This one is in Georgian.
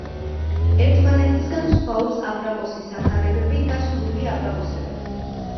ერთმანეთისგან სხვაობს აპრაკოსი სახარებები და სრული აპრაკოსები.